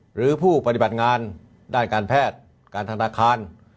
หรือผู้ปฏิบัติงานด้านการแพทย์การธนาคาร